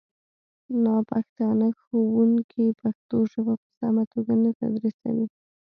ناپښتانه ښوونکي پښتو ژبه په سمه توګه نه تدریسوي